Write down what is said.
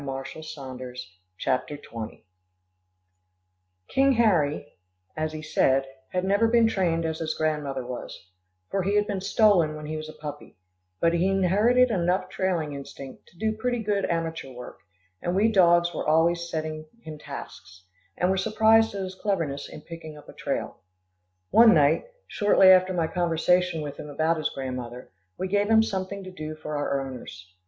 CHAPTER XX THE REFORMED SHOWMAN King Harry, as he said, had never been trained as his grandmother was, for he had been stolen when he was a puppy, but he inherited enough trailing instinct to do pretty good amateur work, and we dogs were always setting him tasks, and were surprised at his cleverness in picking up a trail. One night, shortly after my conversation with him about his grandmother, we gave him something to do for our owners.